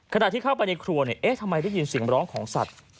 ขณะที่เข้าไปในครัวเนี่ยเอ๊ะทำไมได้ยินเสียงร้องของสัตว์